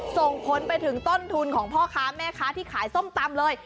ส่งผลไปถึงต้นทุนของพ่อค้าแม่ค้าที่ขายส้มตำเลย